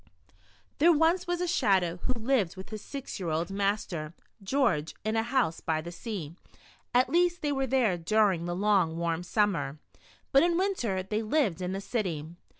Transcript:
THERE was once a Shadow, who lived with his six year old master, George, in a house by the sea. At least they were there dur ing the long, warm summer, but in winter they lived in the city.